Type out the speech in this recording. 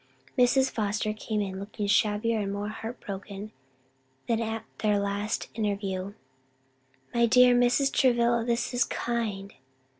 Mrs. Foster came in looking shabbier and more heart broken than at their last interview. "My dear Mrs. Travilla, this is kind!"